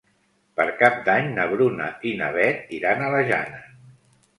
Per Cap d'Any na Bruna i na Beth iran a la Jana.